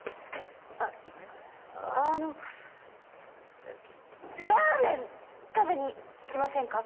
ああのラーメン食べに行きませんか？